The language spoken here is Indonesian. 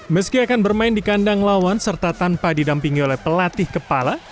meski akan bermain di kandang lawan serta tanpa didampingi oleh pelatih kepala